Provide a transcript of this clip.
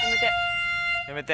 やめて。